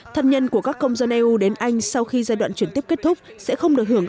thân nhân của các công dân eu đến anh sau khi giai đoạn chuyển tiếp kết thúc sẽ không được hưởng